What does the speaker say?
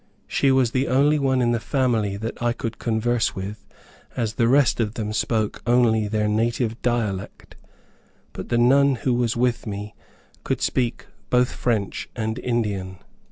She was the only one in the family that I could converse with, as the rest of them spoke only their native dialect; but the nun who was with me could speak both French and Indian.